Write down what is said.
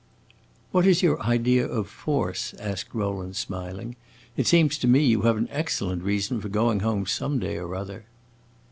"What is your idea of 'force'?" asked Rowland, smiling. "It seems to me you have an excellent reason for going home some day or other."